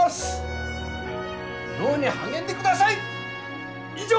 漁に励んでください！以上！